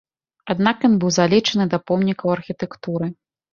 Аднак ён быў залічаны да помнікаў архітэктуры.